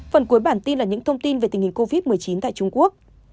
phần cuối bản tin là những thông tin về tình hình covid một mươi chín tại trung quốc